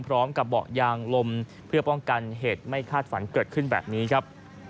พร้อมกับเบาะยางลมเพื่อป้องกันเหตุไม่คาดฝันเกิดขึ้นแบบนี้ครับ